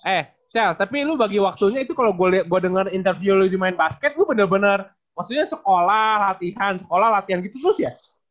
eh sel tapi lu bagi waktunya itu kalo gua denger interview lu di main basket lu bener bener maksudnya sekolah latihan sekolah latihan gitu terus ya